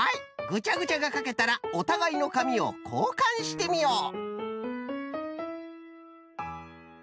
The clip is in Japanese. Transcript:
ぐちゃぐちゃがかけたらおたがいのかみをこうかんしてみよう。